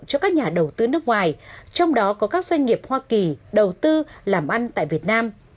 cho các nhà đầu tư nước ngoài trong đó có các doanh nghiệp hoa kỳ đầu tư làm ăn tại việt nam